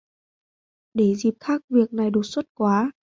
Để dịp khác việc này đột xuất quá